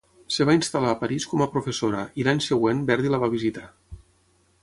Es va instal·lar a París com a professora, i l'any següent Verdi la va visitar.